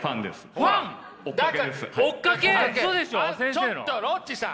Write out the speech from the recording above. ちょっとロッチさん！